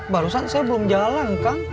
barusan saya belum jalan kang